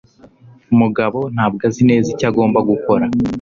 Mugabo ntabwo azi neza icyo agomba gukora.